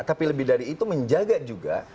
tapi lebih dari itu menjaga juga